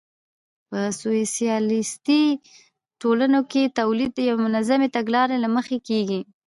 په سوسیالیستي ټولنو کې تولید د یوې منظمې تګلارې له مخې کېږي